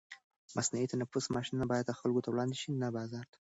مصنوعي تنفس ماشینونه باید خلکو ته وړاندې شي، نه بازار ته.